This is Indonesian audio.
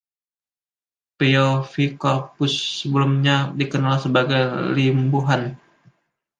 Pio V. Corpuz sebelumnya dikenal sebagai Limbuhan.